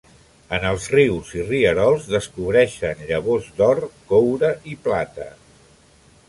En els rius i rierols descobreixen llavors d'or, coure i plata.